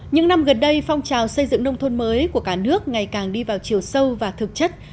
những năm gần đây phong trào xây dựng nông thôn mới của cả nước ngày càng đi vào chiều sâu và thực chất